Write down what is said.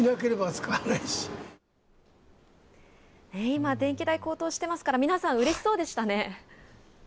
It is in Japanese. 今、電気代高騰してますから、皆さん、うれしそうでしたね。